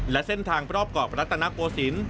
และเส้นทางรอบเกาะรัตนโกศิลป